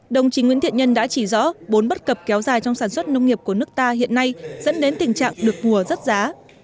đồng chí nguyễn thiện nhân đã chỉ rõ bốn bất cập kéo dài trong sản xuất nông nghiệp của nước ta hiện nay dẫn đến tình trạng được mùa rớt giá